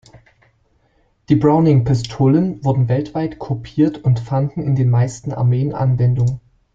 Die Browning-Pistolen wurden weltweit kopiert und fanden in den meisten Armeen Anwendung.